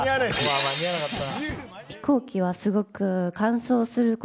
間に合わなかった。